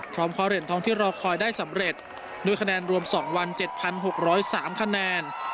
พร้อมขอเหรียญทองที่รอคอยได้สำเร็จด้วยคะแนนรวมสองวันเจ็ดพันหกหร้อยสามคะแนน